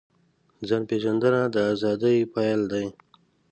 ځان پېژندنه د ازادۍ پیل دی.